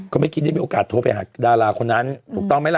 คือไม่คิดยังไงโอกาสโทรไปหากดาราคนนั้นถูกต้องไหมล่ะ